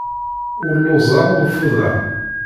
Ur lluẓeɣ, ur ffudeɣ.